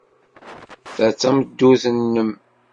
Ta d tameddurt-nnem.